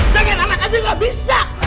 pengen anak aja gak bisa